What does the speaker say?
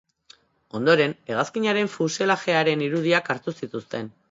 Ondoren, hegazkinaren fuselajearen irudiak hartu zituzten.